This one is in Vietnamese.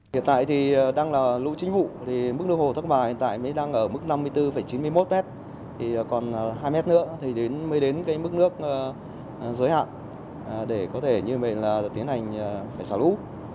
hiện tại thì đang là lũ chính vụ mức nước hồ thác bà hiện tại mới đang ở mức năm mươi bốn chín mươi một m còn hai m nữa mới đến mức nước giới hạn để có thể như mình là tiến hành xả lũ